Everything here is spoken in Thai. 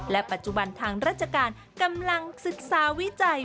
ปัจจุบันทางราชการกำลังศึกษาวิจัย